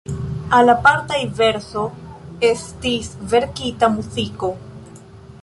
Al apartaj verso estis verkita muziko.